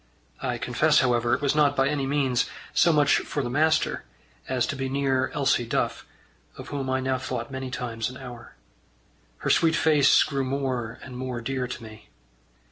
I confess, however, it was not by any means so much for the master as to be near Elsie Duff, of whom I now thought many times an hour. Her sweet face grew more and more dear to me.